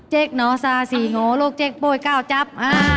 เจ๊กน้อซาสี่โงลูกเจ๊กโป้ยเก้าจั๊บ